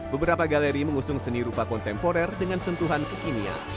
beberapa galeri mengusung seni rupa kontemporer dengan sentuhan kekinian